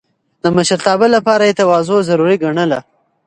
د مشرتابه لپاره يې تواضع ضروري ګڼله.